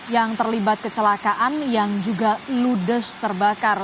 yang terlibat kecelakaan yang juga ludes terbakar